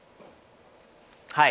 はい。